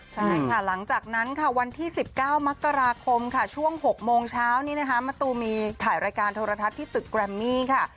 ใช่ค่ะหลังจากนั้นค่ะวันที่๑๙มกราคมค่ะช่วง๖โมงเช้านี้นะคะมะตูมีถ่ายรายการโทรทัศน์ที่ตึกแกรมมี่ค่ะ